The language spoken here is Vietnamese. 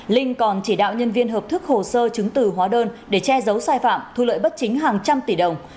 linh còn chỉ đạo nhân viên hợp thức hồ sơ chứng từ hóa đơn để che giấu sai phạm thu lợi bất chính hàng trăm tỷ đồng